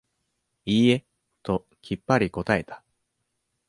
いいえ、ときっぱり答えた。